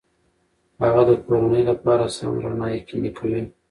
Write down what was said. هغه د کورنۍ لپاره سمه رڼا یقیني کوي.